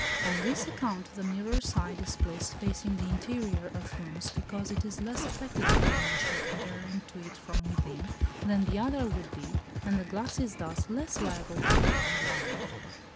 On this account the mirror side is placed facing the interior of rooms, because it is less affected by the moisture adhering to it from within, than the other would be, and the glass is thus less liable to become "blind."